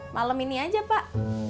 malem ini aja pak